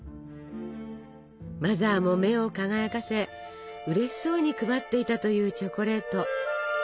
マザーも目を輝かせうれしそうに配っていたというチョコレート。